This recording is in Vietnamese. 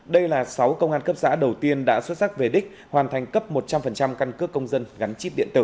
đây là sáu công an cấp xã đầu tiên đã xuất sắc về đích hoàn thành cấp một trăm linh căn cước công dân gắn chip điện tử